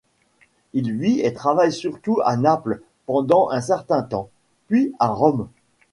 Il vit et travaille surtout à Naples pendant un certain temps, puis à Rome.